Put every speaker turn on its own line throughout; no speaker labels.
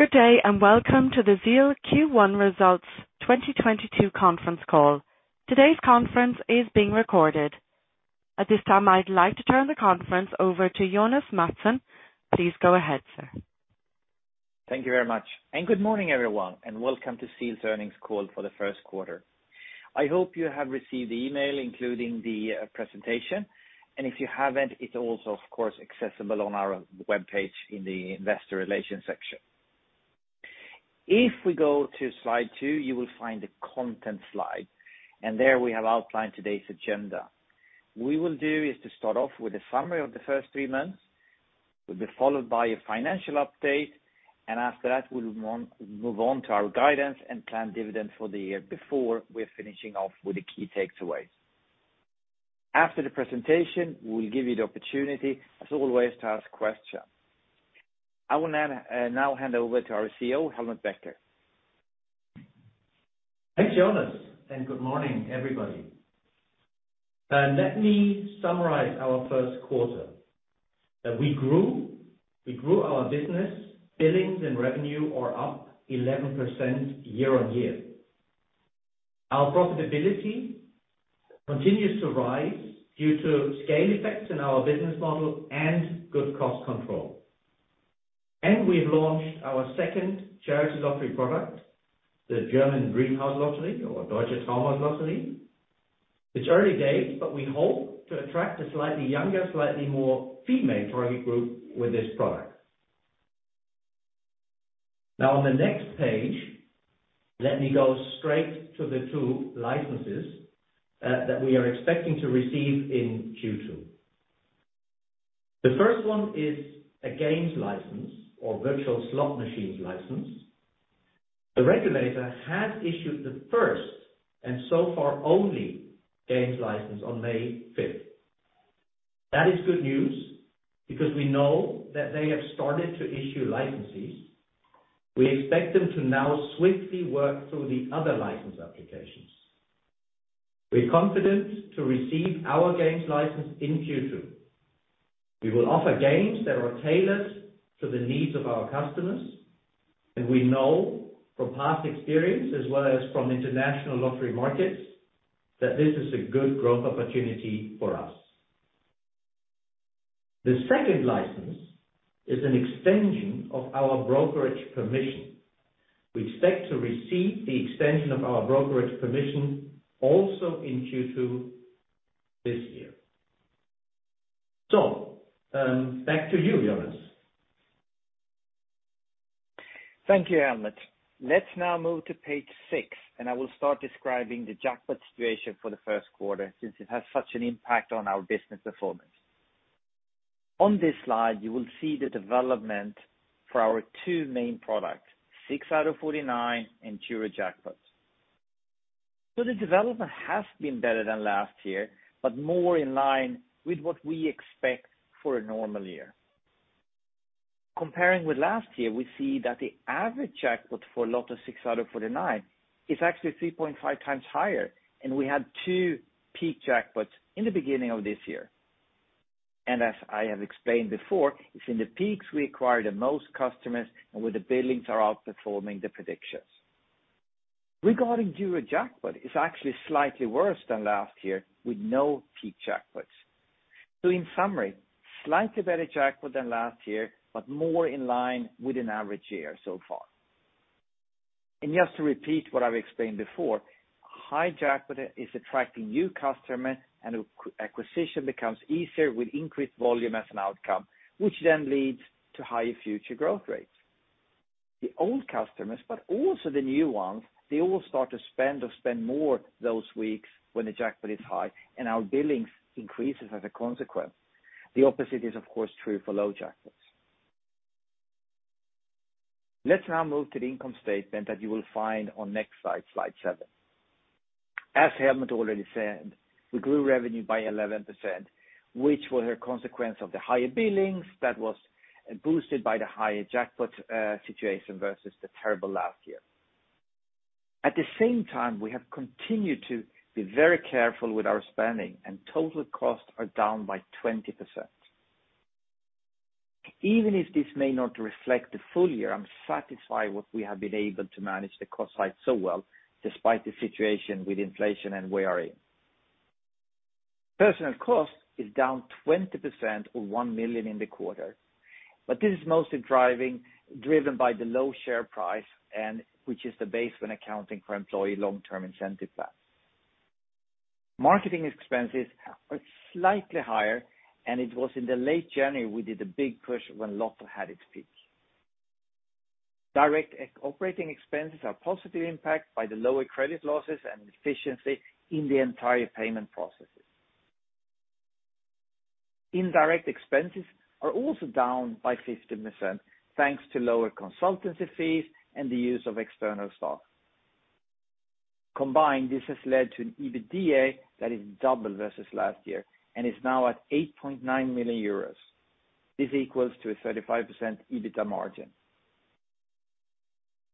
Good day, and welcome to the ZEAL Q1 Results 2022 conference call. Today's conference is being recorded. At this time, I'd like to turn the conference over to Jonas Mattsson. Please go ahead, sir.
Thank you very much, and good morning, everyone, and welcome to ZEAL's earnings call for the first quarter. I hope you have received the email, including the presentation, and if you haven't, it's also, of course, accessible on our webpage in the investor relations section. If we go to slide 2, you will find the content slide, and there we have outlined today's agenda. What we'll do is to start off with a summary of the first three months. We'll be followed by a financial update, and after that, we'll move on to our guidance and planned dividend for the year before we're finishing off with the key takeaways. After the presentation, we'll give you the opportunity, as always, to ask questions. I will now hand over to our CEO, Helmut Becker.
Thanks, Jonas, and good morning, everybody. Let me summarize our first quarter. That we grew. We grew our business. Billings and revenue are up 11% year-over-year. Our profitability continues to rise due to scale effects in our business model and good cost control. We've launched our second charity lottery product, the German Dream House Lottery or Deutsche Traumhauslotterie. It's early days, but we hope to attract a slightly younger, slightly more female target group with this product. Now on the next page, let me go straight to the two licenses that we are expecting to receive in Q2. The first one is a games license or virtual slot machines license. The regulator has issued the first and so far only games license on May fifth. That is good news because we know that they have started to issue licenses. We expect them to now swiftly work through the other license applications. We're confident to receive our games license in Q2. We will offer games that are tailored to the needs of our customers, and we know from past experience as well as from international lottery markets that this is a good growth opportunity for us. The second license is an extension of our brokerage permission. We expect to receive the extension of our brokerage permission also in Q2 this year. Back to you, Jonas.
Thank you, Helmut. Let's now move to page six, and I will start describing the jackpot situation for the first quarter since it has such an impact on our business performance. On this slide, you will see the development for our two main products: six out of forty-nine and EuroJackpot. The development has been better than last year, but more in line with what we expect for a normal year. Comparing with last year, we see that the average jackpot for Lotto six out of forty-nine is actually 3.5 times higher, and we had two peak jackpots in the beginning of this year. As I have explained before, it's in the peaks we acquire the most customers and where the billings are outperforming the predictions. Regarding EuroJackpot, it's actually slightly worse than last year with no peak jackpots. In summary, slightly better jackpot than last year, but more in line with an average year so far. Just to repeat what I've explained before, high jackpot is attracting new customers and acquisition becomes easier with increased volume as an outcome, which then leads to higher future growth rates. The old customers, but also the new ones, they all start to spend or spend more those weeks when the jackpot is high and our billings increases as a consequence. The opposite is of course true for low jackpots. Let's now move to the income statement that you will find on next slide 7. As Helmut already said, we grew revenue by 11%, which was a consequence of the higher billings that was boosted by the higher jackpot, situation versus the terrible last year. At the same time, we have continued to be very careful with our spending and total costs are down by 20%. Even if this may not reflect the full year, I'm satisfied with what we have been able to manage the cost side so well despite the situation with inflation and where we are in. Personnel cost is down 20% or 1 million in the quarter, but this is mostly driven by the low share price and which is the base when accounting for employee long-term incentive plan. Marketing expenses are slightly higher, and it was in late January we did a big push when Lotto had its peak. Direct operating expenses are positively impacted by the lower credit losses and efficiency in the entire payment processes. Indirect expenses are also down by 15%, thanks to lower consultancy fees and the use of external staff. Combined, this has led to an EBITDA that is double versus last year and is now at 8.9 million euros. This equals to a 35% EBITDA margin.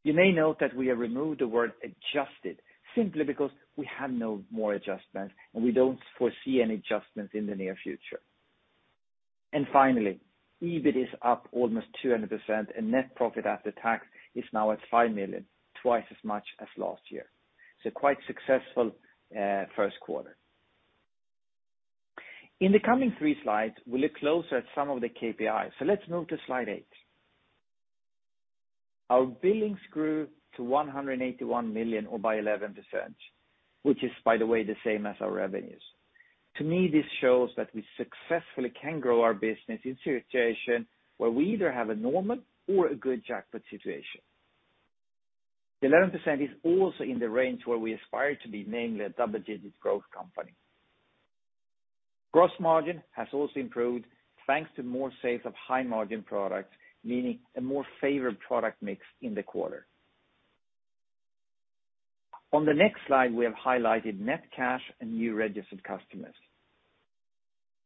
You may note that we have removed the word adjusted simply because we have no more adjustments, and we don't foresee any adjustments in the near future. Finally, EBIT is up almost 200%, and net profit after tax is now at 5 million, twice as much as last year. Quite successful first quarter. In the coming 3 slides, we'll look closer at some of the KPIs. Let's move to slide 8. Our billings grew to 181 million or by 11%, which is, by the way, the same as our revenues. To me, this shows that we successfully can grow our business in a situation where we either have a normal or a good jackpot situation. The 11% is also in the range where we aspire to be, namely a double-digit growth company. Gross margin has also improved thanks to more sales of high-margin products, meaning a more favored product mix in the quarter. On the next slide, we have highlighted net cash and new registered customers.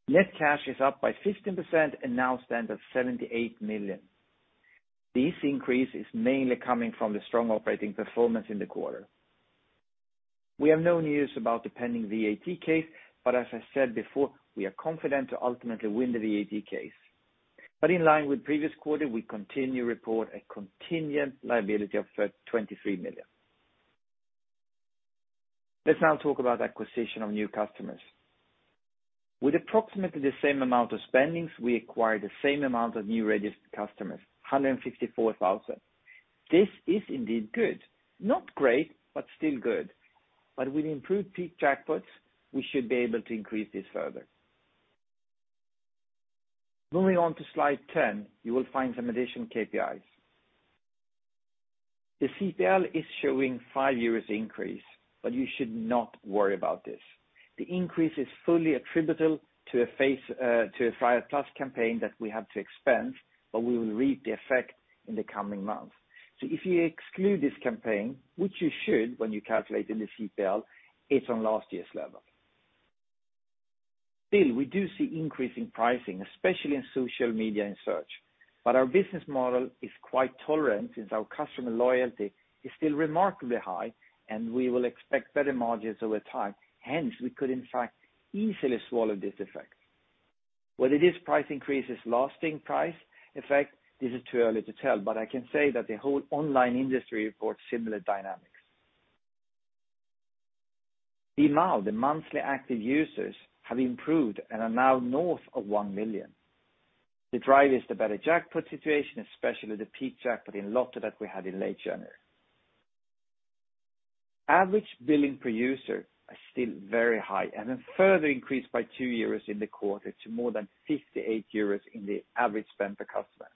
Net cash is up by 15% and now stands at 78 million. This increase is mainly coming from the strong operating performance in the quarter. We have no news about the pending VAT case, but as I said before, we are confident to ultimately win the VAT case. In line with previous quarter, we continue to report a contingent liability of 23 million. Let's now talk about acquisition of new customers. With approximately the same amount of spending, we acquire the same amount of new registered customers, 154,000. This is indeed good. Not great, but still good. With improved peak jackpots, we should be able to increase this further. Moving on to slide 10, you will find some additional KPIs. The CPL is showing 5 EUR increase, but you should not worry about this. The increase is fully attributable to a phase, to a freiheit+ campaign that we had to expense, but we will reap the effect in the coming months. If you exclude this campaign, which you should when you calculate in the CPL, it's on last year's level. Still, we do see increase in pricing, especially in social media and search. Our business model is quite tolerant since our customer loyalty is still remarkably high, and we will expect better margins over time. Hence, we could in fact easily swallow this effect. Whether this price increase is lasting price effect, this is too early to tell, but I can say that the whole online industry reports similar dynamics. The MAUs, the monthly active users, have improved and are now north of 1 million. The drive is the better jackpot situation, especially the peak jackpot in Lotto that we had in late January. Average billing per user are still very high and then further increased by 2 euros in the quarter to more than 58 euros in the average spend per customer.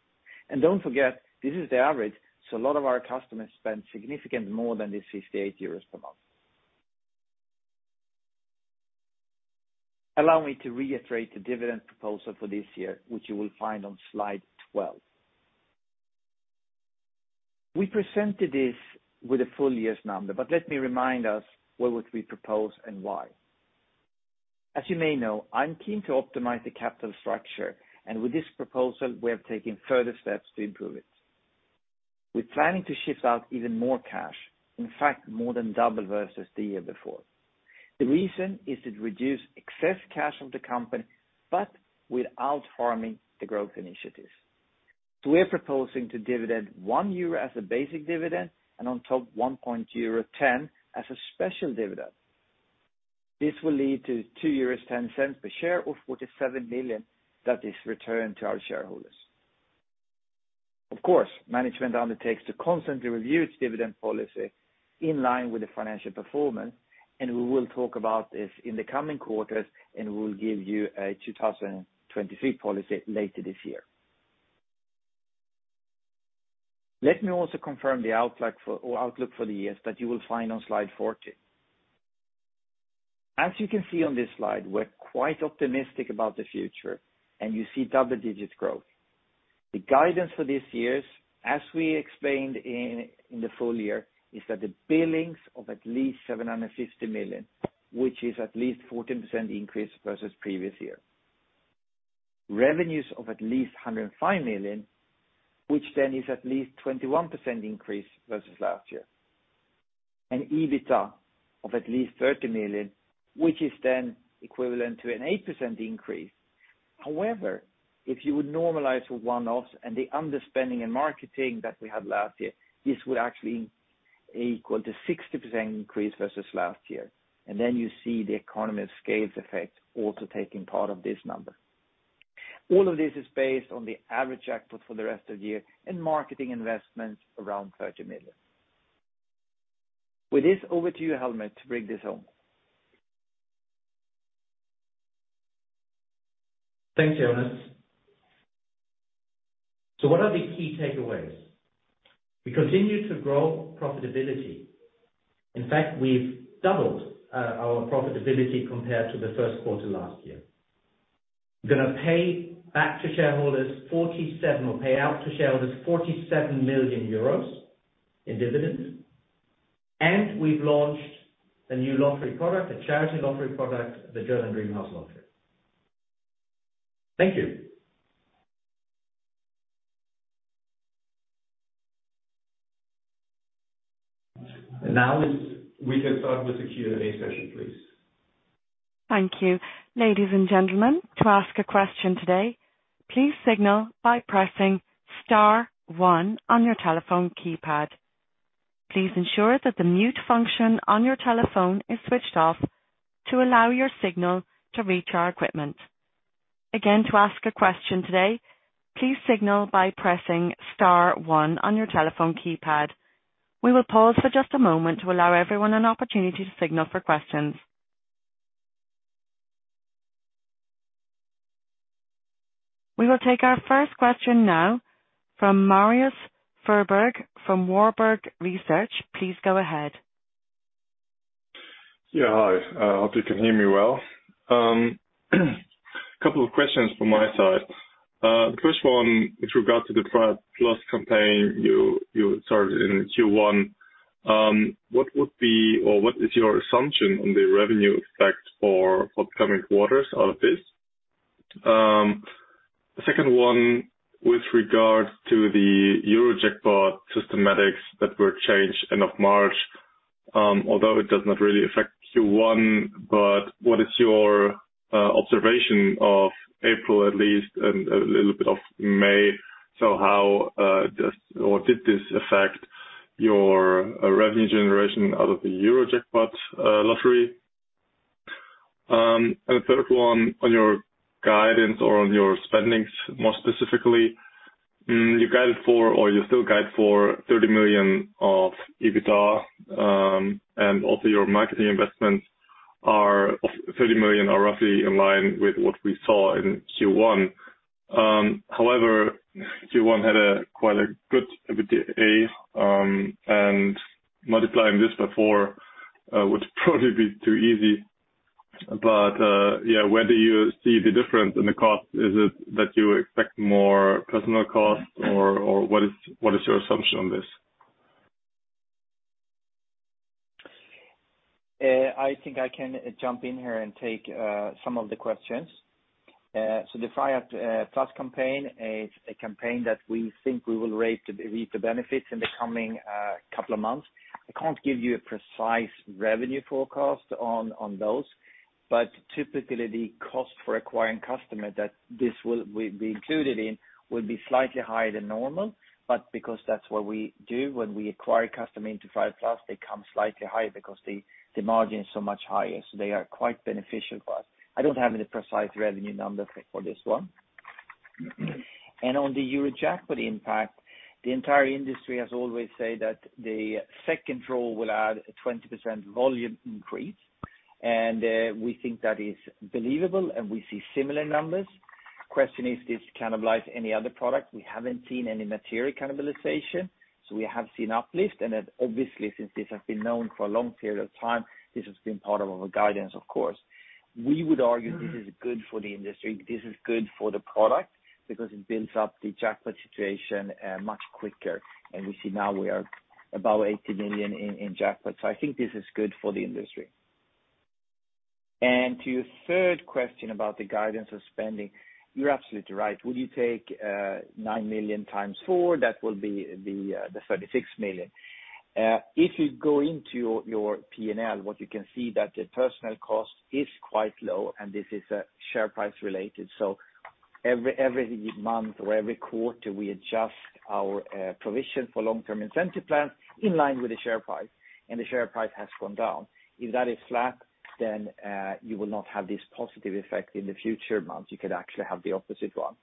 Don't forget, this is the average, so a lot of our customers spend significantly more than the 58 euros per month. Allow me to reiterate the dividend proposal for this year, which you will find on slide 12. We presented this with a full year's number, but let me remind us what would we propose and why. As you may know, I'm keen to optimize the capital structure, and with this proposal, we are taking further steps to improve it. We're planning to shift out even more cash, in fact, more than double versus the year before. The reason is to reduce excess cash of the company, but without harming the growth initiatives. We are proposing to dividend 1 euro as a basic dividend, and on top 1.10 euro as a special dividend. This will lead to 2.10 euros per share, or 47 million that is returned to our shareholders. Of course, management undertakes to constantly review its dividend policy in line with the financial performance, and we will talk about this in the coming quarters, and we'll give you a 2023 policy later this year. Let me also confirm the outlook for the years that you will find on slide 14. As you can see on this slide, we're quite optimistic about the future, and you see double-digit growth. The guidance for this year, as we explained in the full year, is that the billings of at least 750 million, which is at least 14% increase versus previous year. Revenues of at least 105 million, which then is at least 21% increase versus last year. EBITDA of at least 30 million, which is then equivalent to an 8% increase. However, if you would normalize for one-offs and the underspending and marketing that we had last year, this would actually equal to 60% increase versus last year. Then you see the economies of scale effect also taking place in this number. All of this is based on the average output for the rest of the year and marketing investments around 30 million. With this, over to you, Helmut, to bring this home.
Thanks, Jonas. What are the key takeaways? We continue to grow profitability. In fact, we've doubled our profitability compared to the first quarter last year. We're gonna pay out to shareholders 47 million euros in dividends, and we've launched a new lottery product, a charity lottery product, the German Dream House Lottery.
Thank you. We can start with the Q&A session, please.
Thank you. Ladies and gentlemen, to ask a question today, please signal by pressing star one on your telephone keypad. Please ensure that the mute function on your telephone is switched off to allow your signal to reach our equipment. Again, to ask a question today, please signal by pressing star one on your telephone keypad. We will pause for just a moment to allow everyone an opportunity to signal for questions. We will take our first question now from Marius Fuhrberg from Warburg Research. Please go ahead. Yeah. Hi. Hope you can hear me well. Couple of questions from my side. The first one with regard to the freiheit+ The third one on your guidance or on your spending, more specifically, you guided for or you still guide for EUR 30 million of EBITDA, and also your marketing investments are of 30 million or roughly in line with what we saw in Q1. However, Q1 had a quite good EBITDA, and multiplying this by four would probably be too easy. Yeah, where do you see the difference in the cost? Is it that you expect more personnel costs or what is your assumption on this?
I think I can jump in here and take some of the questions. The freiheit+ campaign is a campaign that we think we will reap the benefits in the coming couple of months. I can't give you a precise revenue forecast on those, but typically the cost for acquiring customer that this will be included in will be slightly higher than normal. But because that's what we do when we acquire a customer into freiheit+, they come slightly higher because the margins are much higher, so they are quite beneficial for us. I don't have any precise revenue numbers for this one. On the EuroJackpot impact, the entire industry has always said that the second draw will add a 20% volume increase. We think that is believable, and we see similar numbers. Question is, does this cannibalize any other product? We haven't seen any material cannibalization, so we have seen uplift. Then obviously, since this has been known for a long period of time, this has been part of our guidance, of course. We would argue this is good for the industry. This is good for the product because it builds up the jackpot situation much quicker. We see now we are above 80 million in jackpot. I think this is good for the industry. To your third question about the guidance of spending, you're absolutely right. When you take 9 million times four, that will be the 36 million. If you go into your P&L, what you can see that the personnel cost is quite low, and this is share price related. Every month or every quarter, we adjust our provision for long-term incentive plans in line with the share price, and the share price has gone down. If that is flat, then you will not have this positive effect in the future months. You could actually have the opposite one.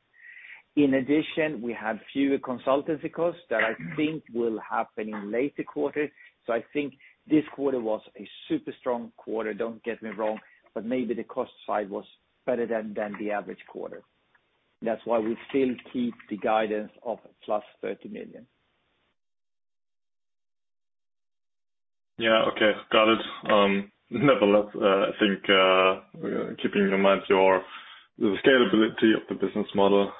In addition, we have fewer consultancy costs that I think will happen in later quarters. I think this quarter was a super strong quarter. Don't get me wrong. Maybe the cost side was better than the average quarter. That's why we still keep the guidance of +30 million.
Okay. Got it. Nevertheless, I think, keeping in mind the scalability of the business model.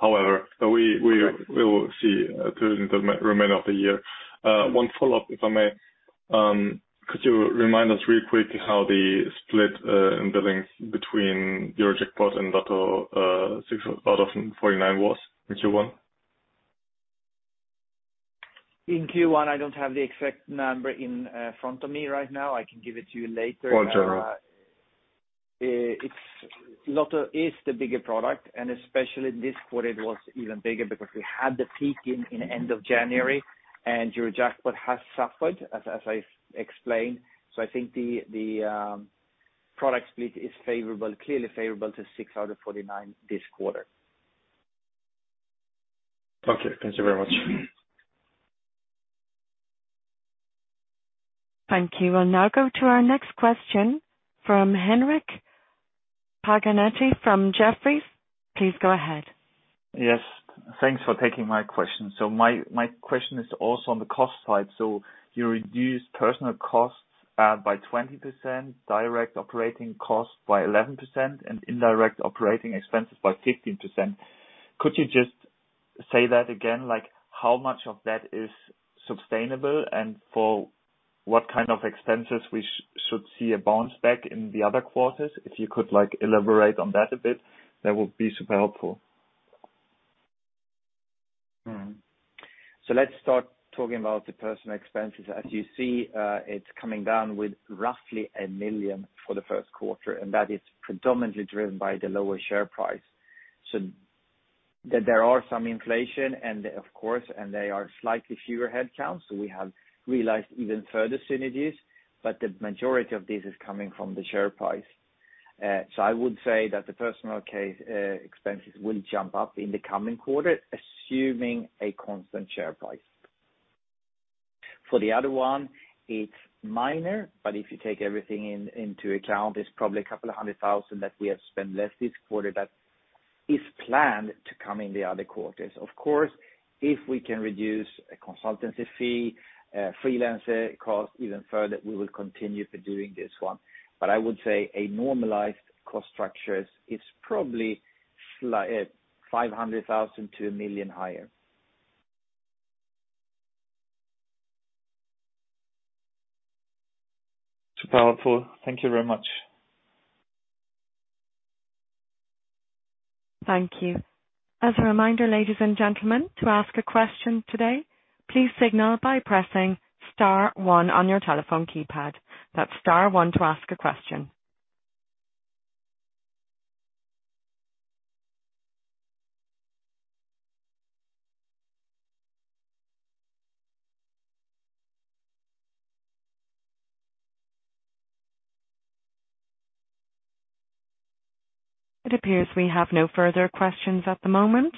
However, we will see during the remainder of the year. One follow-up, if I may. Could you remind us really quickly how the split in the stakes between EuroJackpot and Lotto 6 out of 49 was in Q1?
In Q1, I don't have the exact number in front of me right now. I can give it to you later.
General.
Lotto is the bigger product, and especially this quarter it was even bigger because we had the peak in end of January and EuroJackpot has suffered, as I explained. I think the product split is favorable, clearly favorable to six out of 49 this quarter.
Okay. Thank you very much. Thank you. We'll now go to our next question from Henrik Paganini
Yes. Thanks for taking my question. My question is also on the cost side. You reduced personnel costs by 20%, direct operating costs by 11%, and indirect operating expenses by 15%. Could you say that again, like how much of that is sustainable and for what kind of expenses we should see a bounce back in the other quarters? If you could like elaborate on that a bit, that would be super helpful.
Let's start talking about the personnel expenses. As you see, it's coming down with roughly 1 million for the first quarter, and that is predominantly driven by the lower share price. There are some inflation and of course, there are slightly fewer headcounts, so we have realized even further synergies. The majority of this is coming from the share price. I would say that the personnel expenses will jump up in the coming quarter, assuming a constant share price. For the other one, it's minor, but if you take everything into account, it's probably 200,000 that we have spent less this quarter that is planned to come in the other quarters. Of course, if we can reduce a consultancy fee, freelancer cost even further, we will continue doing this one. I would say a normalized cost structures is probably 500,000-1 million higher.
Super helpful. Thank you very much.
Thank you. As a reminder, ladies and gentlemen, to ask a question today, please signal by pressing star one on your telephone keypad. That's star one to ask a question. It appears we have no further questions at the moment.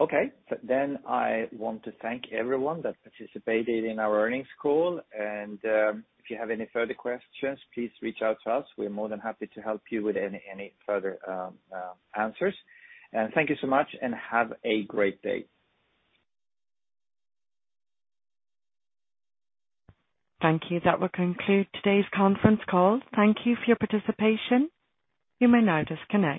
Okay. I want to thank everyone that participated in our earnings call and if you have any further questions, please reach out to us. We're more than happy to help you with any further answers. Thank you so much and have a great day.
Thank you. That will conclude today's conference call. Thank you for your participation. You may now disconnect.